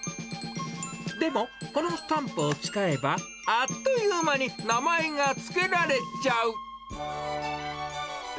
でも、このスタンプを使えば、あっという間に名前が付けられちゃう。